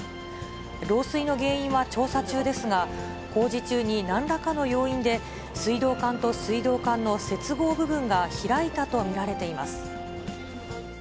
漏水の原因は調査中ですが、工事中に何らかの要因で、水道管と水道管の接合部分が開いたと見られています。